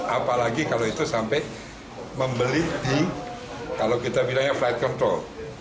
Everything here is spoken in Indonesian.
apalagi kalau itu sampai membeli di kalau kita bilangnya flight control